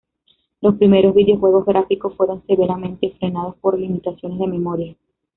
Los primeros videojuegos gráficos fueron severamente frenados por limitaciones de memoria.